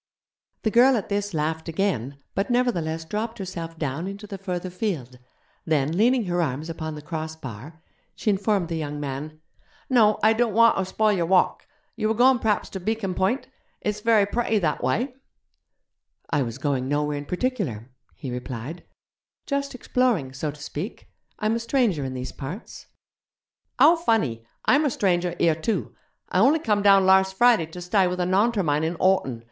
The girl at this laughed again, but nevertheless dropped herself down into the further field; then, leaning her arms upon the cross bar, she informed the young man: 'No, I don't wanter spoil your walk. You were goin' p'raps ter Beacon Point? It's very pretty that wye.' 'I was going nowhere in particular,' he replied; 'just exploring, so to speak. I'm a stranger in these parts.' 'How funny! Imer stranger here too. I only come down larse Friday to stye with a Naunter mine in Horton.